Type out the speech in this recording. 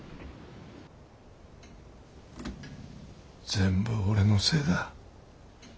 全部俺のせいだ。